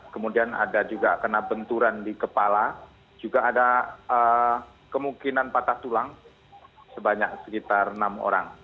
kemudian ada juga kena benturan di kepala juga ada kemungkinan patah tulang sebanyak sekitar enam orang